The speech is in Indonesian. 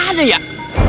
waduh ular aja ya